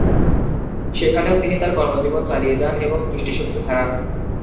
সেখানেও তিনি তার কর্মজীবন চালিয়ে যান এবং দৃষ্টিশক্তি হারান।